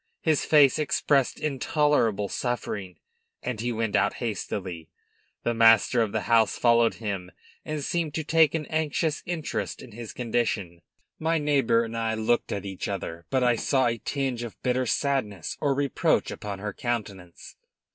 His face expressed intolerable suffering, and he went out hastily. The master of the house followed him and seemed to take an anxious interest in his condition. My neighbor and I looked at each other, but I saw a tinge of bitter sadness or reproach upon her countenance.